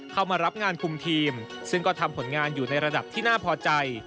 เข้ามารับงานคุมทีมซึ่งก็ทำผลงานอยู่ในระดับที่น่าพอใจ